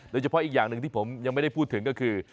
โดยเฉพาะอีกอย่างหนึ่งที่ผมยังไม่ได้พูดถึงก็คือ